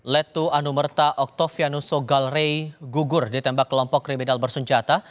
letu anumerta oktavianus sogalrei gugur ditembak kelompok krimidal bersunjata